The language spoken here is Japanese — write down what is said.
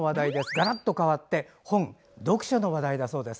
がらっとかわって本読書の話題だそうです。